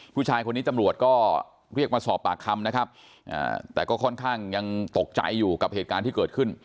ผู้ชายคนนี้ตำรวจก็เรียกมาสอบปากคำนะครับแต่ก็ค่อนข้างยังตกใจอยู่กับเหตุการณ์ที่เกิดขึ้น